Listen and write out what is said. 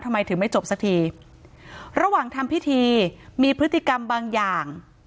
ทำไมถึงไม่จบสักทีระหว่างทำพิธีมีพฤติกรรมบางอย่าง